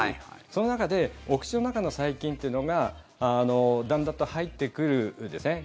その中でお口の中の細菌というのがだんだんと入ってくるんですね。